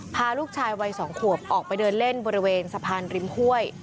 พาลูกชายวัย๒ขวบออกไปเดินเล่นบริเวณสะพานริมห้วย